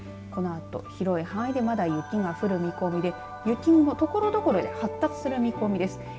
このあと広い範囲でまだ雪が降る見込みで雪雲ところどころで発達する見込みです。